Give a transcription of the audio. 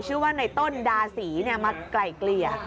ชื่อว่าในต้นดาศรีมาไกล่เกลี่ย